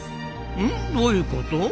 うん？どういうこと？